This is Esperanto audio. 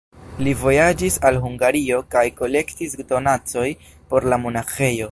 Li vojaĝis al Hungario kaj kolektis donacojn por la monaĥejo.